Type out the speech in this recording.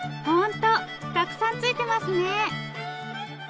ホントたくさんついてますね！